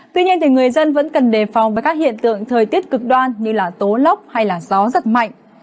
tuy nhiên người dân vẫn cần đề phòng với các hiện tượng thời tiết cực đoan như tố lốc hay gió rất mạnh